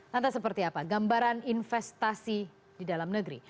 lantas seperti apa gambaran investasi di dalam negeri